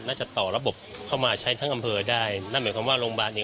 จะต่อระบบเข้ามาใช้ทั้งอำเภอได้นั่นหมายความว่าโรงพยาบาลเนี้ย